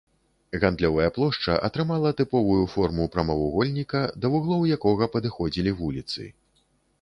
Гандлёвая плошча атрымала тыповую форму прамавугольніка, да вуглоў якога падыходзілі вуліцы.